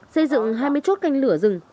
xây dựng hai mươi chốt canh lửa rừng